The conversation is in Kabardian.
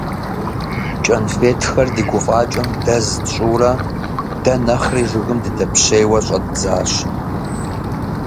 КӀэнфетхэр ди гуфӀакӀэм дэз тщӀыурэ, дэ нэхъри жыгым дыдэпщейуэ щӀэддзащ.